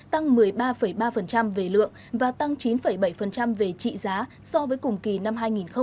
tăng một mươi ba ba về lượng và tăng chín bảy về trị giá so với cùng kỳ năm hai nghìn một mươi chín